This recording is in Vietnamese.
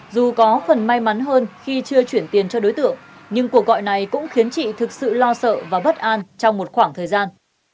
dù có phần may mắn hơn khi chưa chuyển tiền cho đối tượng nhưng cuộc gọi này cũng khiến chị thực sự lo sợ và bất an trong một khoảng thời gian